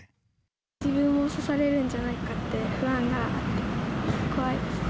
自分も刺されるんじゃないかって不安が、怖いですね。